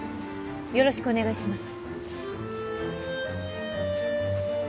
よろしくお願いします